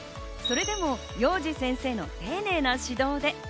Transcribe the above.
それでもヨウジ先生の丁寧な指導で。